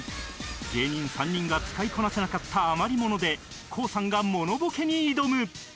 芸人３人が使いこなせなかった余りもので ＫＯＯ さんがモノボケに挑む